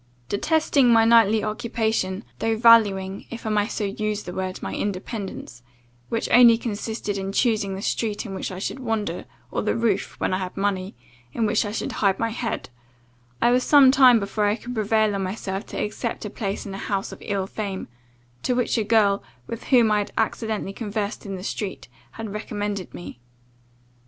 "Detesting my nightly occupation, though valuing, if I may so use the word, my independence, which only consisted in choosing the street in which I should wander, or the roof, when I had money, in which I should hide my head, I was some time before I could prevail on myself to accept of a place in a house of ill fame, to which a girl, with whom I had accidentally conversed in the street, had recommended me.